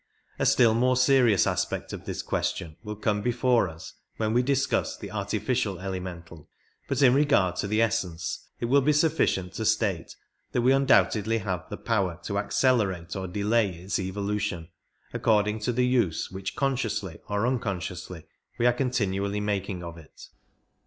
A still more serious aspect of this question will come before us when we discuss the artificial elemental ; but in regard to the essence it will be sufficient to state that we undoubtedly have the power to accelerate or delay its evolution according to the use which con sciously or unconsciously we are continually making of it.